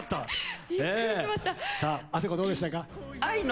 あさこどうでしたか？